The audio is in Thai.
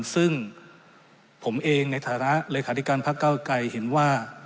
ซึ่งผมเองในฐานะเลขาธิการพักเก้าไกรเห็นว่า